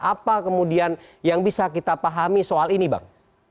apa kemudian yang bisa kita pahami soal ini bang